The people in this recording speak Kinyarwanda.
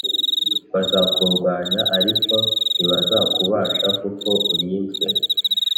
bazakurwanya ariko ntibazakubasha kuko urinzwe